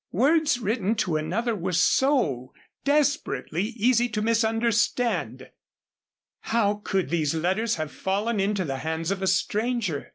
Words written to another were so desperately easy to misunderstand. How could these letters have fallen into the hands of a stranger?